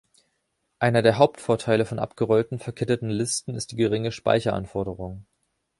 Einer der Hauptvorteile von abgerollten verketteten Listen ist die geringe Speicheranforderung.